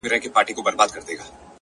او د دنيا له لاسه;